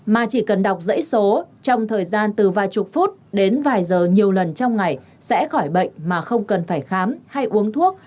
mà chỉ cần đọc giấy số trong thời gian từ vài chục phút đến vài giờ nhiều lần trong ngày sẽ khỏi bệnh mà không cần phải khám hay uống thuốc